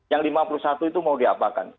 yang lima puluh satu itu mau diapakan